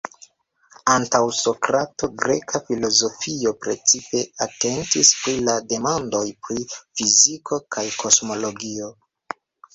Antaŭ Sokrato, greka filozofio precipe atentis pri la demandoj pri fiziko kaj kosmologio.